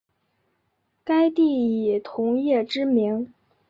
该地以铜业知名。